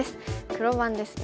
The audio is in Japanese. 黒番ですね。